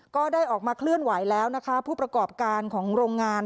ก็ได้ออกมาเคลื่อนไหวแล้วนะคะผู้ประกอบการของโรงงาน